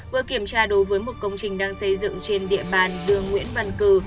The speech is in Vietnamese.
vừa kiểm tra đối với một công trình đang xây dựng trên địa bàn đường nguyễn văn cử